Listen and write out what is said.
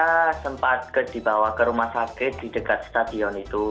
saya sempat dibawa ke rumah sakit di dekat stadion itu